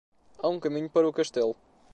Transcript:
Há um caminho para o castelo.